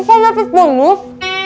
bapak mau ambil bonus